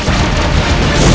ketika kanda menang kanda menang